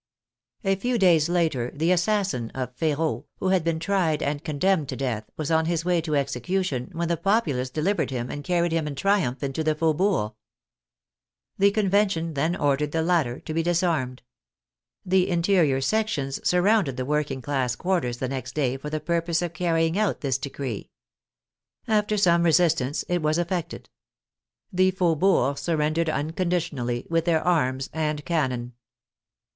A few days later the assassin of Feraud, who had been tried and condemned to death, was on his way to execu tion when the populace delivered him and carried him in triumph into the faubourgs. The Convention then ordered the latter to be disarmed. The interior sections surrounded the working class quarters the next day for the purpose of carrying out this decree. After some resistance it was effected. The faubourgs surrendered unconditionally with their arms and cannon.